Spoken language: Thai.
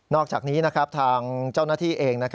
อกจากนี้ทางเจ้าหน้าที่เอง